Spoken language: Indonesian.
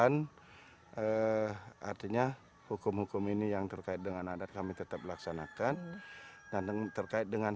artinya hukum hukum ini yang terkait dengan adat kami tetap laksanakan dan terkait dengan